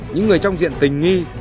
những người trong diện tình nghi